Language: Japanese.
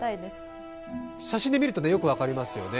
写真で見るとよく分かりますよね。